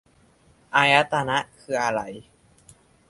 อายตนะ คืออะไร